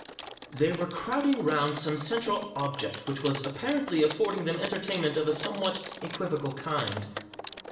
They were crowding round some central object which was apparently affording them entertainment of a somewhat equivocal kind.